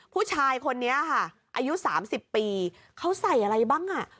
ผู้ชายคนนี้ค่ะอายุ๓๐ปีเขาใส่อะไรบ้างอ่ะ